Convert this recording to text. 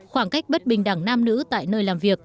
khoảng cách bất bình đẳng nam nữ tại nơi làm việc